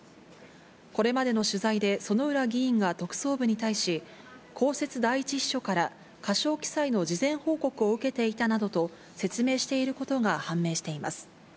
これまでの取材で、薗浦議員が特捜部に対し、公設第１秘書から過少記載の事前報告を受けていたなどと説明していることが判明しています。